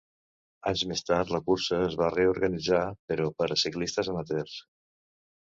Anys més tard la cursa es va reorganitzar però per a ciclistes amateurs.